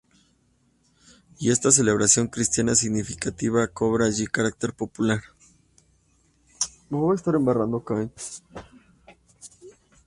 Y esta celebración cristiana significativa cobra allí carácter popular.